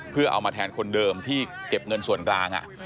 เพื่อเอามาแทนคนเดิมที่เก็บเงินส่วนกลาง